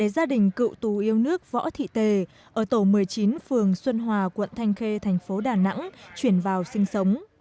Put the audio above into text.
gia đình cựu tù yêu nước võ thị tề ở tổ một mươi chín phường xuân hòa quận thanh khê thành phố đà nẵng chuyển vào sinh sống